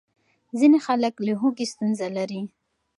ځینې خلک له هوږې ستونزه لري.